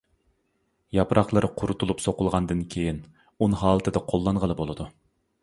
ياپراقلىرى قۇرۇتۇلۇپ سوقۇلغاندىن كېيىن، ئۇن ھالىتىدە قوللانغىلى بولىدۇ.